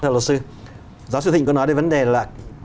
thưa luật sư giáo sư thịnh có nói đến vấn đề là